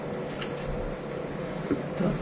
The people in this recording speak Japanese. どうぞ。